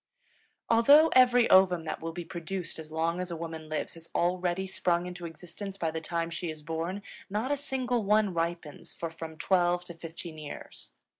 Although every ovum that will be produced as long as a woman lives has already sprung into existence by the time she is born, not a single one ripens for from twelve to fifteen years.